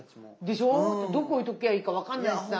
でしょう？でどこ置いときゃいいか分かんないしさ。